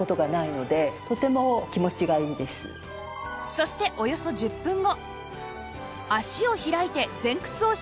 そしておよそ１０分後